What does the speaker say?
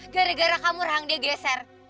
gara gara kamu reang dia geser